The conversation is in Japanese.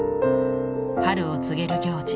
春を告げる行事